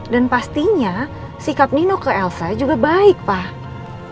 dan pastinya sikap nino ke elsa juga baik pak